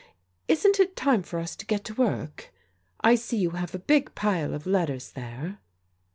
Isn't it time for us to get to work? I see you have a big pile of letters there."